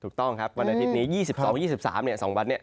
ถูกต้องครับวันอาทิตย์นี้๒๒๓๒วันนี้